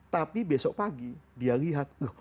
tapi besok pagi dia lihat loh